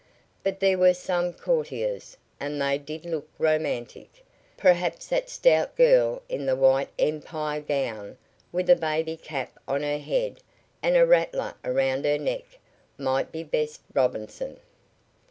But there were some courtiers, and they did look romantic. Perhaps that stout girl in the white Empire gown, with a baby cap on her head, and a rattler around her neck, might be Bess Robinson.